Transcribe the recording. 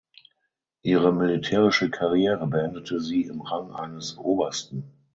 Ihre militärische Karriere beendete sie im Rang eines Obersten.